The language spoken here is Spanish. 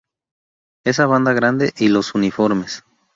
Esa banda grande y los uniformes.